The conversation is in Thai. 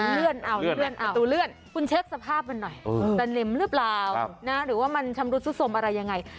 ประตูเลื่อนคุณเช็คสภาพมันหน่อยจะนิ่มหรือเปล่าหรือว่ามันชำรุดสุดสมอะไรยังไง